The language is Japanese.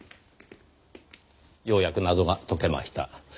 ようやく謎が解けました。